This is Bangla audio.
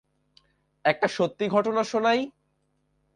একটা সত্যি ঘটনা শোনাই।